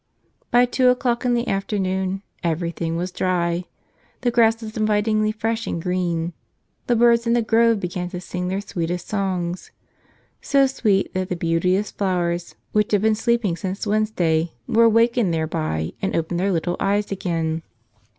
By two o'clock in the afternoon everything was dry. The grass was invitingly fresh and green. The birds in the grove began to sing their sweetest songs — so sweet that the beauteous flowers which had been sleeping since Wednesday were awakened there¬ by and opened their little eyes again.